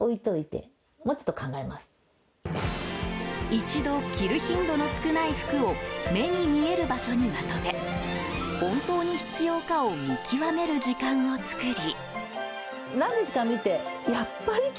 一度、着る頻度の少ない服を目に見える場所にまとめ本当に必要かを見極める時間を作り。